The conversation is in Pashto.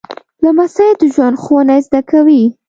لمسی د ژوند ښوونه زده کوي.